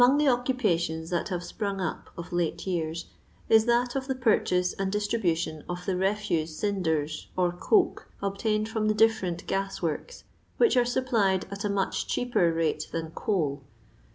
AxoKO the occupations that have sprung up of late years is that of the purchase and distribution of the refuse cinders or coke obtained from the different gas works, which are supplied at a much cheaper rate than coal.